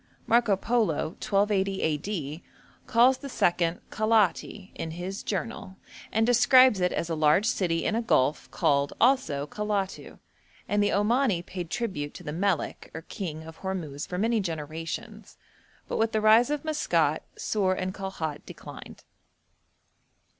Marco Polo, 1280 a.d., calls the second Calaiati in his 'Journal,' and describes it as 'a large city in a gulf called, also, Calatu,' and the Omani paid tribute to the melek or king of Hormuz for many generations, but with the rise of Maskat, Sur and Kalhat declined.